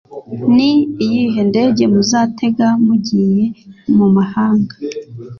ni iyihe ndege muzatega mugiye mu mahanga